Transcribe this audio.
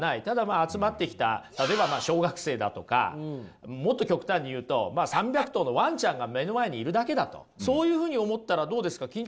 ただまあ集まってきた例えば小学生だとかもっと極端に言うと３００頭のワンちゃんが目の前にいるだけだとそういうふうに思ったらどうですか？